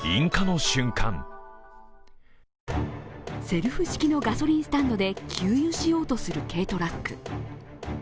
セルフ式のガソリンスタンドで給油しようとする軽トラック。